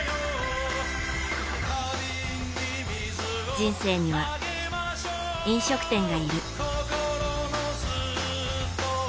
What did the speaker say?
人生には、飲食店がいる。